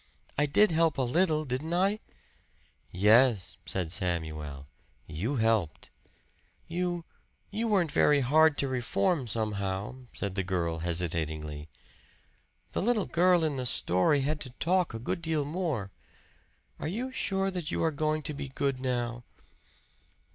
I did help a little, didn't I?" "Yes," said Samuel. "You helped." "You you weren't very hard to reform, somehow," said the child hesitatingly. "The little girl in the story had to talk a good deal more. Are you sure that you are going to be good now?"